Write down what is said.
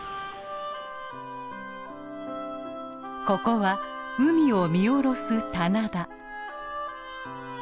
ここは海を見下ろす棚田。